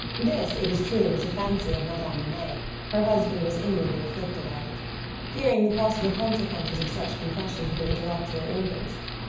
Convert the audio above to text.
This, it is true, was a fancy of Madame Homais'; her husband was inwardly afflicted at it. Fearing the possible consequences of such compression to the intellectual organs.